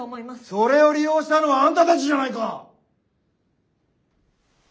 それを利用したのはあんたたちじゃないか！